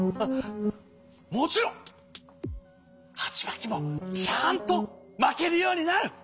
もちろんはちまきもちゃんとまけるようになる。